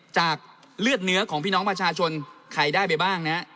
จากเลือดเนื้อของพี่น้องประชาชนใครได้ไปบ้างนะฮะ